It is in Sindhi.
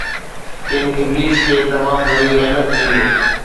ڪن ابليس کي تمام گهڻي اهميت ڏني